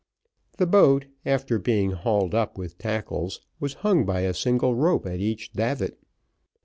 The boat, after being hauled up with tackles, was hung by a single rope at each davit.